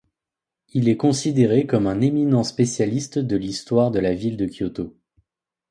Il est considéré comme un éminent spécialiste de l'histoire de la ville de Kyoto.